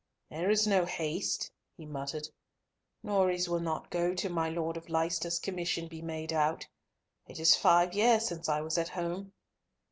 "There's no haste," he muttered. "Norreys will not go till my Lord of Leicester's commission be made out. It is five years since I was at home."